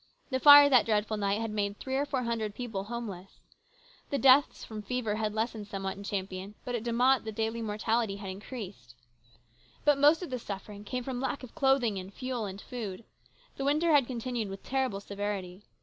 The fire that dreadful night had made three or four hundred people homeless. The deaths from fever had lessened somewhat in Champion, but at De Mott the daily mortality had increased. But most of the suffering came from lack of clothing and fuel and food. The winter had continued with terrible severity.